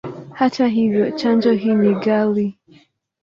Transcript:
Hata hivyo, chanjo hii ni ghali.